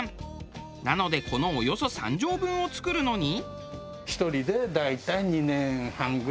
なのでこのおよそ３畳分を作るのに。